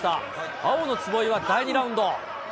青の坪井は第２ラウンド。